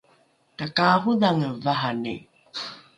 takaarodhange vahani